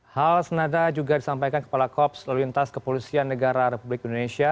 hal senada juga disampaikan kepala kops lalu lintas kepolisian negara republik indonesia